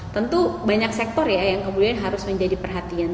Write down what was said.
tentu banyak sektor ya yang kemudian harus menjadi perhatian